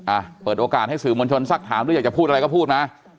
อ่ะเปิดโอกาสให้สื่อมวลชนสักถามหรืออยากจะพูดอะไรก็พูดมา